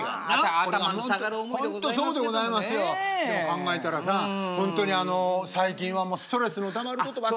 考えたらさほんとに最近はストレスのたまることばっかしや。